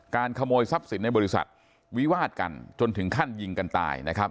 ขโมยทรัพย์สินในบริษัทวิวาดกันจนถึงขั้นยิงกันตายนะครับ